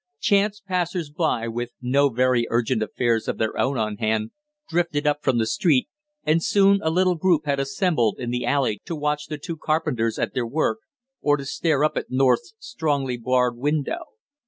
Chance passers by with no very urgent affairs of their own on hand, drifted up from the street, and soon a little group had assembled in the alley to watch the two carpenters at their work, or to stare up at North's strongly barred window.